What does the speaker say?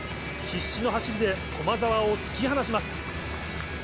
必死の走りで、駒澤を突き放します。